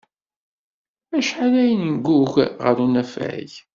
Acḥal ay neggug ɣef unafag?